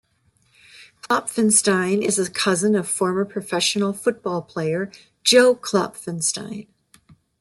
Klopfenstein is a cousin of former professional football player Joe Klopfenstein.